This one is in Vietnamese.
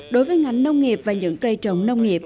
đối với ngành nông nghiệp và những cây trồng nông nghiệp